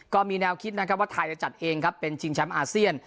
ก็มีแนวคิดนะครับว่าไทยจะจัดเองครับเป็นชิงแชมป์อาเซียน